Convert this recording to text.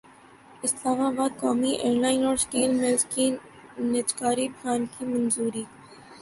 اسلام باد قومی ایئرلائن اور اسٹیل ملزکے نجکاری پلان کی منظوری